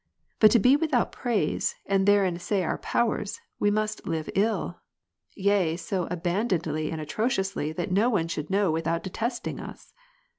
But to be without praise, and therein essay our powers, must we live ill, yea so abandonedly and atrociously, that no one should know without detesting us